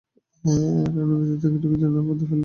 রানু ভেতরে ঢুকে জানালার পর্দা ফেলে দিল।